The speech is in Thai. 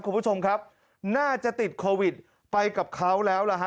คุณผู้ชมครับน่าจะติดโควิดไปกับเขาแล้วล่ะฮะ